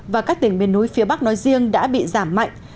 và các tỉnh miền núi phía bắc nói riêng đã bị giảm mạnh